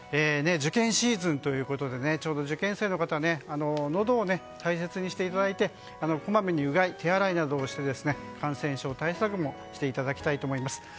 受験シーズンということでちょうど受験生の方はのどを大切にしていただいてこまめにうがい・手洗いをして感染症対策もしていただきたいと思います。